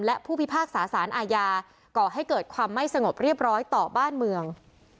และผู้พิพากษาสารอาญาก่อให้เกิดความไม่สงบเรียบร้อยต่อบ้านเมือง